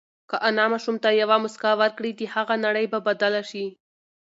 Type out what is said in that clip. که انا ماشوم ته یوه مسکا ورکړي، د هغه نړۍ به بدله شي.